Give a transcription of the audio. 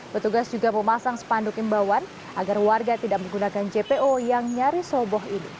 petugas juga memasang spanduk imbauan agar warga tidak menggunakan jpo yang nyaris roboh ini